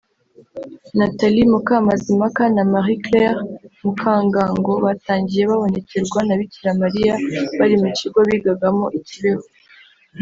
Nathalie Mukamazimpaka na Marie Claire Mukangango batangiye babonekerwa na Bikira Mariya bari mu kigo bigagamo i Kibeho